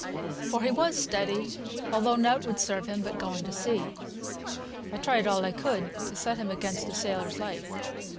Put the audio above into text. For he was steady, although nought would serve him but going to sea. I tried all I could to set him again a sailor's life.